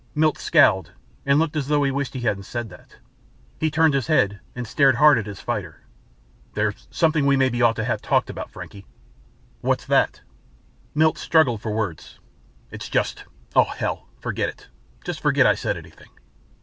Milt scowled and looked as though he wished he hadn't said that. He turned his head and stared hard at his fighter. "There's something we maybe ought to have talked about, Frankie." "What's that?" Milt struggled for words. "It's just oh, hell! Forget it. Just forget I said anything."